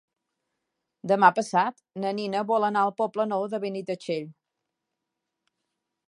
Demà passat na Nina vol anar al Poble Nou de Benitatxell.